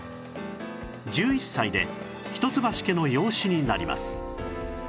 １１歳で一橋家の養子になります